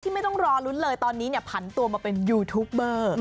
ไม่ต้องรอลุ้นเลยตอนนี้ผันตัวมาเป็นยูทูปเบอร์